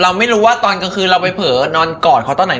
ไม่รู้ว่าตอนกลางคืนเราไปเผลอนอนกอดเขาตอนไหน